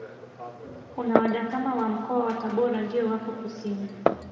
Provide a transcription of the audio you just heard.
Kuna wadakama wa Mkoa wa Tabora ndio wapo kusini